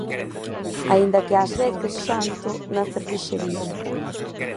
Aínda que ás veces xanto na cervexaría.